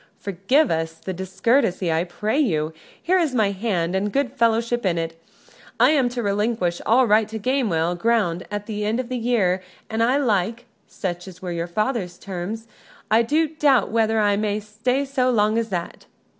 Forgive us the discourtesy, I pray you. Here is my hand and good fellowship in it. I am to relinquish all right to Gamewell ground at the end of a year an I like such were your father's terms. I do doubt whether I may stay so long as that."